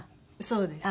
そうです。